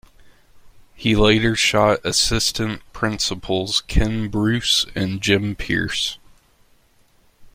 He later shot assistant principals Ken Bruce and Jim Pierce.